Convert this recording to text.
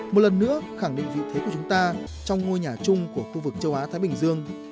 một lần nữa khẳng định vị thế của chúng ta trong ngôi nhà chung của khu vực châu á thái bình dương